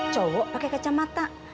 cowok pakai kacamata